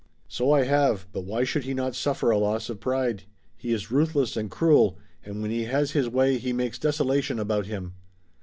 "So I have, but why should he not suffer a loss of pride? He is ruthless and cruel and when he has his way he makes desolation about him."